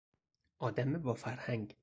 آدم با فرهنگ